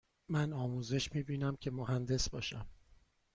من آموزش می بینم که مهندس باشم.